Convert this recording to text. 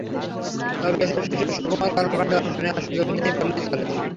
তবে এসব শিশুর সুকুমার কর্মকাণ্ডে অংশ নেওয়ার সুযোগ নেই বললেই চলে।